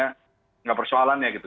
tidak persoalannya gitu